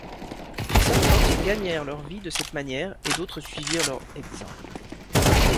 Les sœurs Fox gagnèrent leur vie de cette manière et d’autres suivirent leur exemple.